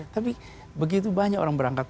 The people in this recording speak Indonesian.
tapi begitu banyak orang berangkat